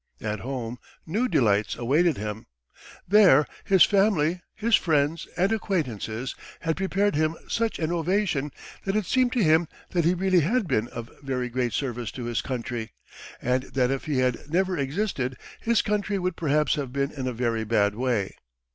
At home new delights awaited him. There his family, his friends, and acquaintances had prepared him such an ovation that it seemed to him that he really had been of very great service to his country, and that if he had never existed his country would perhaps have been in a very bad way.